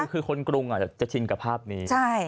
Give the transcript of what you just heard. คือคนกรุงจะชินกับภาพนี้